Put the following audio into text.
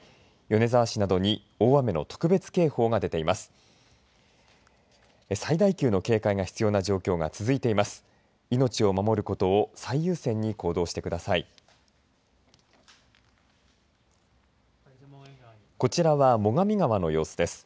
米沢市などに大雨の特別警報が出ています。